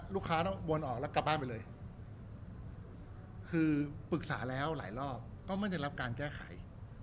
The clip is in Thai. ลูกค้าต้องวนออกแล้วกลับบ้านไปเลยคือปรึกษาแล้วหลายรอบก็ไม่ได้รับการแก้ไข